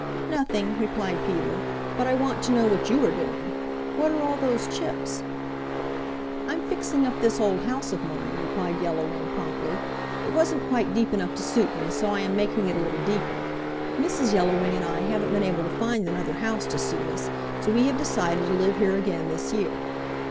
"Nothing," replied Peter, "but I want to know what you are doing. What are all those chips?" "I'm fixing up this old house of mine," replied Yellow Wing promptly. "It wasn't quite deep enough to suit me, so I am making it a little deeper. Mrs. Yellow Wing and I haven't been able to find another house to suit us, so we have decided to live here again this year."